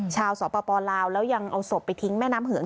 ชาวสปลาวแล้วยังเอาศพไปทิ้งแม่น้ำเหือง